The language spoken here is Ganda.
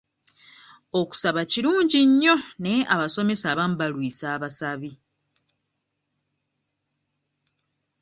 Okusaba kirungi nnyo naye abasomesa abamu balwisa abasabi.